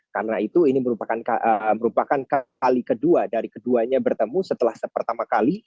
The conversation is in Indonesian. karena itu ini merupakan kali kedua dari keduanya bertemu setelah pertama kali